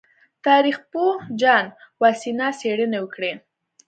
تاریخ پوه جان واسینا څېړنې وکړې.